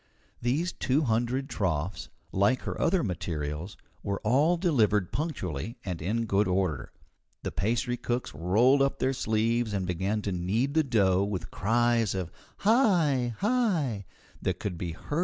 These two hundred troughs, like her other materials, were all delivered punctually and in good order. The pastry cooks rolled up their sleeves and began to knead the dough with cries of "Hi!